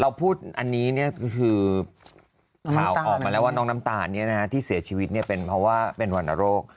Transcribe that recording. เราพูดนี่รู้ว่าน้องน้ำตาลที่เสียชีวิตนี่เป็นเพราะว่าเป็นวันโรค